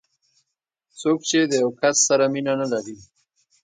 څوک چې د یو کس سره مینه نه لري.